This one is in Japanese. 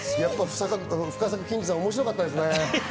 深作欣二さん面白かったですね。